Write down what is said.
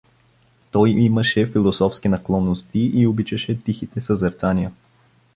Той имаше философски наклонности и обичаше тихите съзерцания.